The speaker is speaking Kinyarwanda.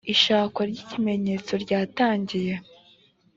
ishakwa ry ibimenyetso ryatangiye